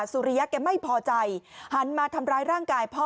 สุริยะแกไม่พอใจหันมาทำร้ายร่างกายพ่อ